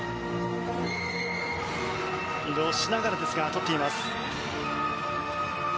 移動しながらですが取っています。